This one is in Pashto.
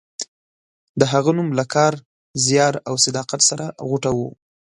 د هغه نوم له کار، زیار او صداقت سره غوټه و.